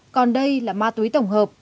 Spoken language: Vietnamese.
còn đây là ma túy tổng hợp